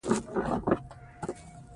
بامیان د افغانستان طبعي ثروت دی.